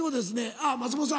あぁ松本さん